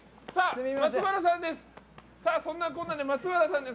松原さんです。